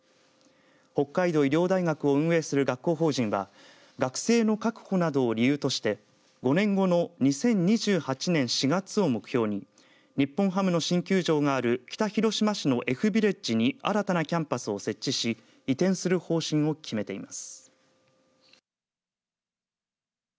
北海道医療大学を運営する学校法人は学生の確保などを理由として５年後の２０２８年４月を目標に日本ハムの新球場がある北広島市のＦビレッジに新たなキャンパスを設置し移転する方針を決めています。